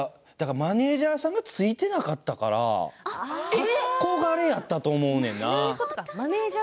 マネージャーがついていなかったから憧れだったと思うねんな